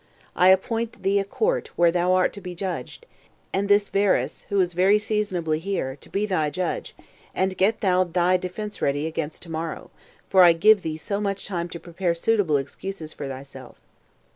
I appoint thee a court where thou art to be judged, and this Varus, who is very seasonably here, to be thy judge; and get thou thy defense ready against tomorrow, for I give thee so much time to prepare suitable excuses for thyself."